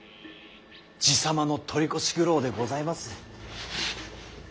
爺様の取り越し苦労でございます。